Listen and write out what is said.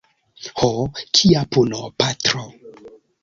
Ho, kia puno, patro!